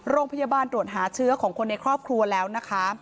โรงพยาบาลตรวจหาเชื้อของคนในครอบครัวแล้วนะคะ